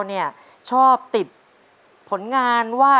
ต้นไม้ประจำจังหวัดระยองการครับ